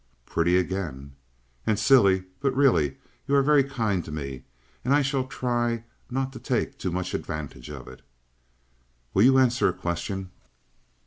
"Pretty again." "And silly. But, really, you are very kind to me, and I shall try not to take too much advantage of it." "Will you answer a question?"